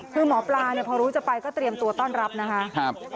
คือหมอปลาเนี่ยพอรู้จะไปก็เตรียมตัวต้อนรับนะคะ